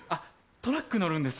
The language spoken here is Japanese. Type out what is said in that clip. トラック乗るんです。